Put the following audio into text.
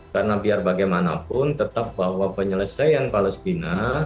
karena biar bagaimanapun tetap bahwa penyelesaian palestina